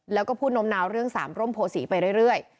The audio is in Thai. แล้วก็พูดนมนาวเรื่องสามร่มโพศีไปเรื่อย